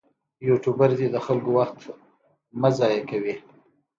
یوټوبر دې د خلکو وخت مه ضایع کوي.